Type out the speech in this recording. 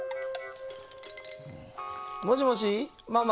もしもしママ？